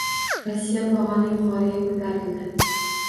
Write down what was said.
Rossiya pog'ona yuqoriga ko'tarildi